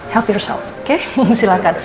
help yourself oke silahkan